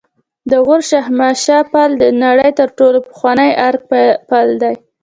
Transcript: د غور شاهمشه پل د نړۍ تر ټولو پخوانی آرک پل دی